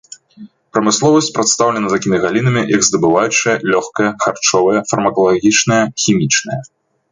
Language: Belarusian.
Прамысловасць прадстаўлена такімі галінамі, як здабываючая, лёгкая, харчовая, фармакалагічная, хімічная.